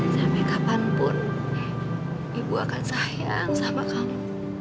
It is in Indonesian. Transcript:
sampai kapanpun ibu akan sayang sama kamu